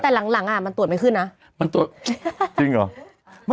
แต่หลังมันตรวจไม่ขึ้นนะ